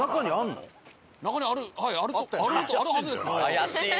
怪しいな！